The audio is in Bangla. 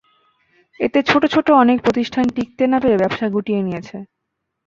এতে ছোট ছোট অনেক প্রতিষ্ঠান টিকতে না পেরে ব্যবসা গুটিয়ে নিয়েছে।